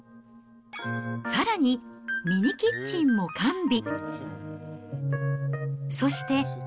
さらに、ミニキッチンも完備。